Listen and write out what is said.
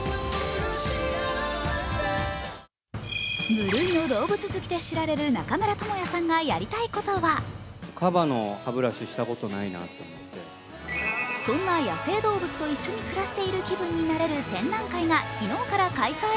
無類の動物好きで知られる中村倫也さんがやりたいことはそんな野生動物を一緒に暮らしている気分になれる展覧会が昨日から開催。